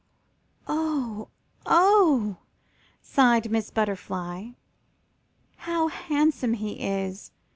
"Oh oh!" sighed little Miss Butterfly. "How handsome he is!